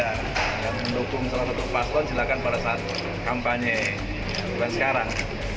yang mendukung salah satu pasok silakan pada saat kampanye bukan sekarang